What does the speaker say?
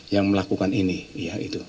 yang melakukan ini ya itu